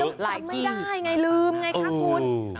พูดไปแล้วจำไม่ได้ไงลืมไงคะคุณ